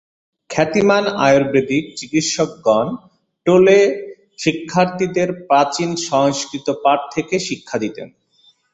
খ্যাতিমান আয়ুর্বেদিক চিকিৎসকগণ টোলে শিক্ষার্থীদের প্রাচীন সংস্কৃত পাঠ থেকে শিক্ষা দিতেন।